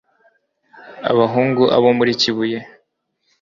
abahungu a bo muri kibuye